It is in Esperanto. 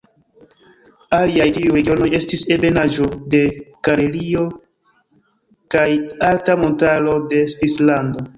Aliaj tiuj regionoj estis ebenaĵo de Karelio kaj alta montaro de Svislando.